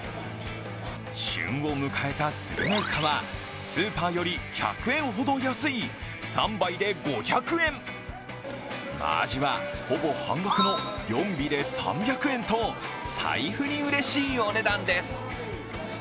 旬を迎えたスルメイカはスーパーより１００円ほど安い３杯で５００円、真あじはほぼ半額の４尾で３００円と財布にうれしいお値段です。